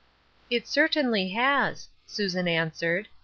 " It certainly has," Susan answered.